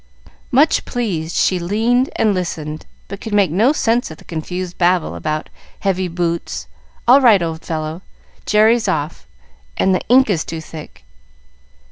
Much pleased, she leaned and listened, but could make no sense of the confused babble about "heavy boots;" "All right, old fellow;" "Jerry's off;" and "The ink is too thick."